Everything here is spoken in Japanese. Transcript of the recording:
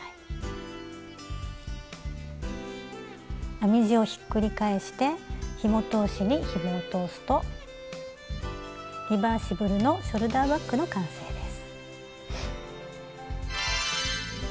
編み地をひっくり返してひも通しにひもを通すとリバーシブルのショルダーバッグの完成です。